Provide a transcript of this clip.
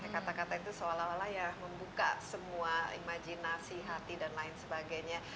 kata kata itu seolah olah ya membuka semua imajinasi hati dan lain sebagainya